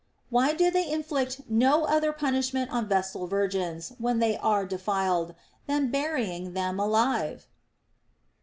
Why do they inflict no other punishment on Vestal Virgins, when they are defiled, than burying them alive